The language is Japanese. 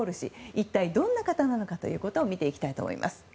一体、どんな方なのかを見ていきたいと思います。